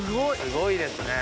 すごいですね。